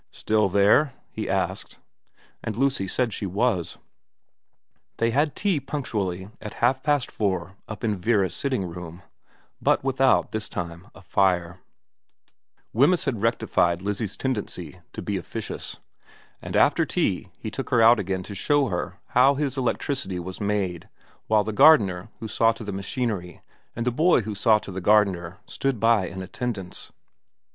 * Still there ?' he asked ; and Lucy said she was. They had tea punctually at half past four up in Vera's sitting room, but without, this time, a fire Wemyss had rectified Lizzie's tendency to be officious and after tea he took her out again to show her how his electricity was made, while the gardener who saw to the machinery, and the boy who saw to the gardener, stood by in attendance.